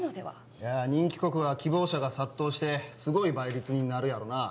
いや人気国は希望者が殺到してすごい倍率になるやろな